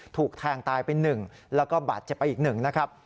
ถูกแทงตายไปหนึ่งแล้วก็บาดเจ็บไปอีกหนึ่งนะครับ